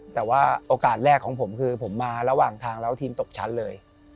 แต่ว่าโอกาสแรกของผมคือผมมาระหว่างทางแล้วทีมตกชั้นเลย